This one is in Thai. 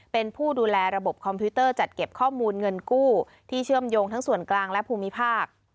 เป็นผู้ดูแลระบบคอมพิวเตอร์จัดเก็บข้อมูลเงินกู้ที่เชื่อมโยงทั้งส่วนกลางและภูมิภาค